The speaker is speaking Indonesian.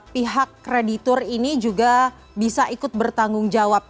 pihak kreditur ini juga bisa ikut bertanggung jawab